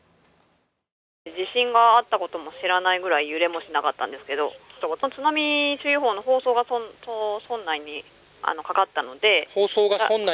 地震があったことも知らないぐらい揺れもしなかったんですが津波注意報の放送が村内にかかったので。